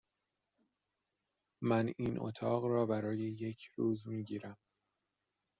من این اتاق را برای یک روز می گیرم.